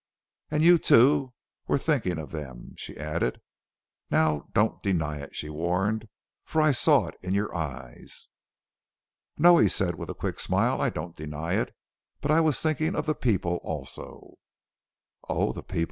And you, too, were thinking of them," she added. "Now, don't deny it!" she warned, "for I saw it in your eyes!" "No!" he said with a quick smile; "I don't deny it. But I was thinking of the people also." "Oh, the people!"